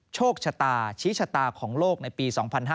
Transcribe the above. โชคชะตาชี้ชะตาของโลกในปี๒๕๕๙